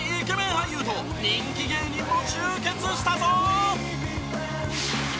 俳優と人気芸人も集結したぞ！